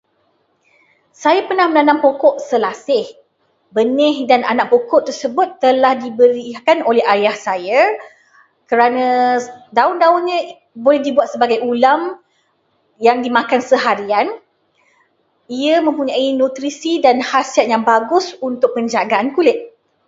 Saya pernah menanam pokok selasih. Benih dan anak pokok tersebut telah diberikan oleh ayah saya kerana daun-daunnya boleh dibuat sebagai ulam yang dimakan seharian. Ia mempunyai nutrisi dan khasiat yang bagus untuk penjagaan kulit.